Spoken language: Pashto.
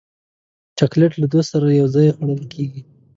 چاکلېټ له دوست سره یو ځای خوړل کېږي.